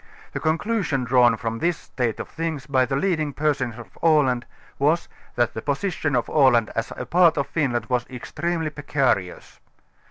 The con clusion drawn from this state of things by the leading persons of Aland, was, that the position of x\.land as a part of Finland was extremely' precarious.